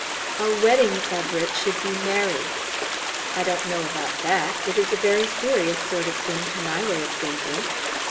"A wedding, Everett, should be merry." "I don't know about that. It is a very serious sort of thing to my way of thinking.